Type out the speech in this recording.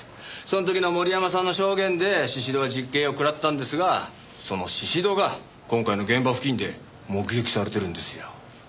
その時の森山さんの証言で宍戸は実刑を食らったんですがその宍戸が今回の現場付近で目撃されているんですよ。